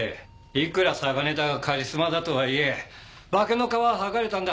いくら嵯峨根田がカリスマだとはいえ化けの皮は剥がれたんだ。